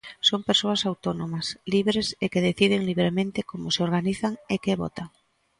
Son persoas autónomas, libres e que deciden libremente como se organizan e que votan.